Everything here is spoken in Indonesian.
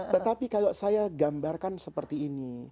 tetapi kalau saya gambarkan seperti ini